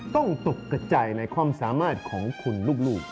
ตกกระจายในความสามารถของคุณลูก